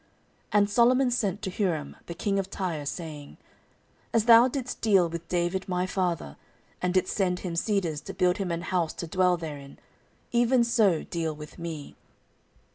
14:002:003 And Solomon sent to Huram the king of Tyre, saying, As thou didst deal with David my father, and didst send him cedars to build him an house to dwell therein, even so deal with me.